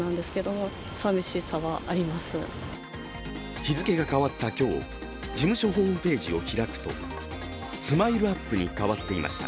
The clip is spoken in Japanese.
日付が変わった今日、事務所ホームページを開くと、ＳＭＩＬＥ−ＵＰ．に変わっていました